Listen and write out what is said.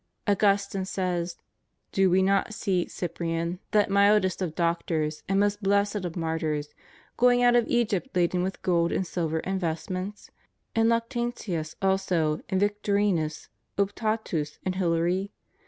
Augustine says: " Do we not see Cyprian, that mildest of doctors and most blessed of martyrs, going out of Egypt laden with gold and silver and vestments? And Lactantius also and Victorinus, Optatus and Hilar}'?